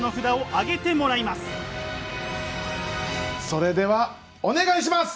それではお願いします！